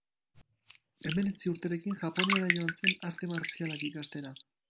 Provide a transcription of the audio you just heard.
Hemeretzi urterekin, Japoniara joan zen arte martzialak ikastera.